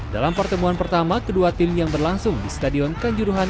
dalam pertemuan pertama kedua tim yang berlangsung di stadion kanjuruhan